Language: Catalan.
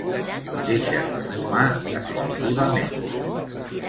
Deixes de fumar definitivament.